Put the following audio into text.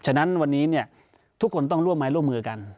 ฉะนั้นวันนี้ทุกคนต้องร่วมไม้ร่วมมือกัน